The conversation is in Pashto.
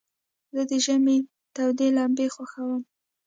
زه د ژمي تودي لمبي خوښوم.